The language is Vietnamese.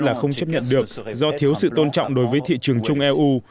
là không chấp nhận được do thiếu sự tôn trọng đối với thị trường chung eu